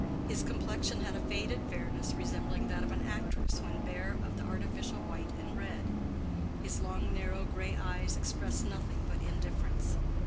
His complexion had a faded fairness resembling that of an actress when bare of the artificial white and red; his long narrow gray eyes expressed nothing but indifference.